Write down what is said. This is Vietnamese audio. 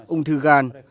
ung thư gan